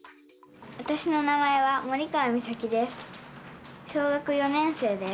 わたしの名前は森川実咲です。